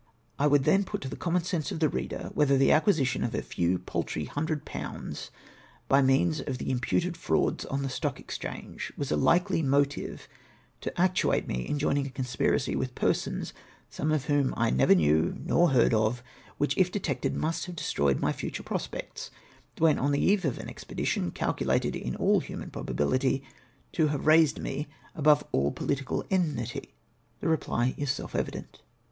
I would then put it to the common sense of the reader, whether the acquisition of a few paltry hundred pounds — by means of the im puted frauds on the Stock Exchange, was a hkely mo tive to actuate me in joining a conspiracy with persons, some of whom I never knew nor heard of, which, if detected, must have destroyed my future prospects, when on the eve of an expedition calculated in all human probability to have raised me above all political enmity ? The reply is self evident.